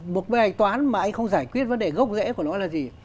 một bài hạch toán mà anh không giải quyết vấn đề gốc rễ của nó là gì